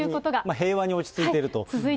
平和に落ち着いていると。